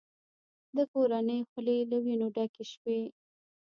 د کورنۍ خولې له وینو ډکې شوې.